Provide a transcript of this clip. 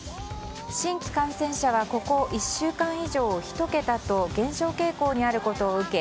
新規感染者はここ１週間以上、１桁と減少傾向にあることを受け